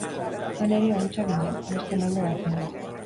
Han ere ontsa ginen, beste molde batean.